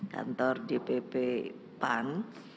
kantor dpp pan